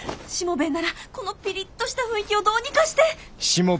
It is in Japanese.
しもべえならこのピリッとした雰囲気をどうにかして。